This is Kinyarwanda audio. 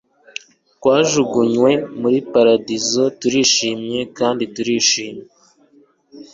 Twajugunywe muri paradizo turishimye kandi turishimye